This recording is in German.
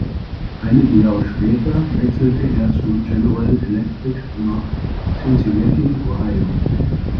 Einige Jahre später wechselte er zu General Electric nach Cincinnati, Ohio.